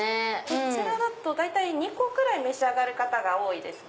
こちらだと大体２個くらい召し上がる方が多いですね。